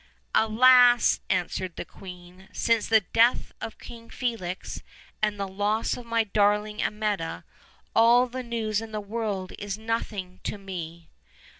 "Alas!" answered the queen, "since the death of King Felix, and the loss of my darling Amietta, all the news in this world is nothing to me."